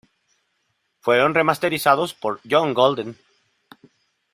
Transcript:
Fueron remasterizados por John Golden.